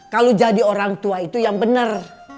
kalo jadi orang tua itu yang bener